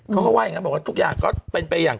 เขาก็ว่าอย่างนั้นบอกว่าทุกอย่างก็เป็นไปอย่าง